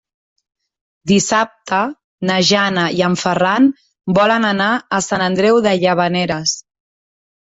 Dissabte na Jana i en Ferran volen anar a Sant Andreu de Llavaneres.